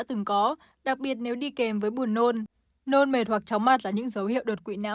từng có đặc biệt nếu đi kèm với bùn nôn nôn mệt hoặc chóng mặt là những dấu hiệu đột quỵ não